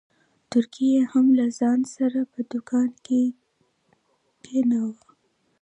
تورکى يې هم له ځان سره په دوکان کښې کښېناوه.